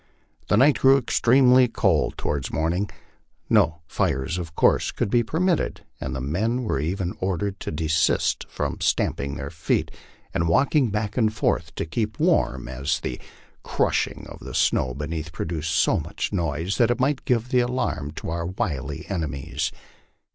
The night grew extremely cold towards morning; no fires of course could be permitted, and the men were even ordered to desist from stamping their feet and walking back and forth to keep warm, as the 160 LIFE ON THE PLAINS. crushing of the snow beneath produced so much noise that it might give the alarm to our wily enemies.